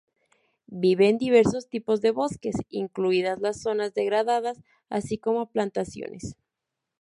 Vive en diversos tipos de bosques, incluidas las zonas degradadas, así como plantaciones.